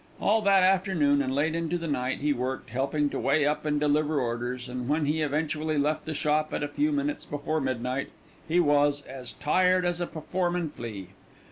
All that afternoon and late into the night he worked, helping to weigh up and deliver orders; and when he eventually left the shop at a few minutes before midnight, he was "as tired as a performin' flea."